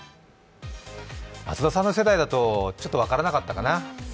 松田さんの世代だとちょっと分からなかったかな。